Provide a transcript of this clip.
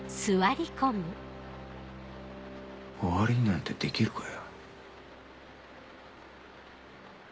終わりになんてできるかよ。